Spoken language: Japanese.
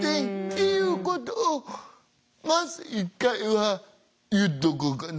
いうことをまず一回は言っとこうかな。